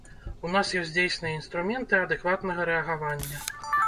У нас ёсць дзейсныя інструменты адэкватнага рэагавання.